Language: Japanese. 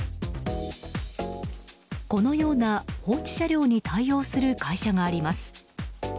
このような放置車両に対応する会社があります。